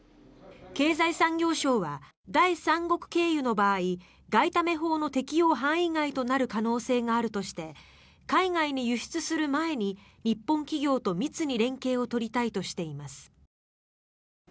経済産業省は第三国経由の場合外為法の適用範囲外となる可能性があるとして海外に輸出する前に、日本企業と密に連携を取りたいとしています。